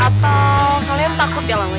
atau kalian takut ya lama c